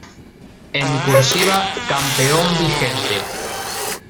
En "Cursiva," campeón vigente.